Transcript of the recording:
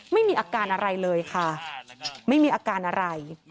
ไม่มีอาการอะไรเลยค่ะไม่มีอาการอะไร